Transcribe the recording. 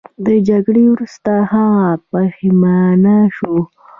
د جګړې وروسته هغه پښیمانه شو.